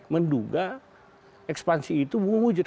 menduga ekspansi itu akan wujud